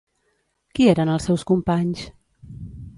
Qui eren els seus companys?